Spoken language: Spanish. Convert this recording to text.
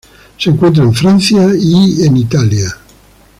Se encuentra en Francia y en Italia.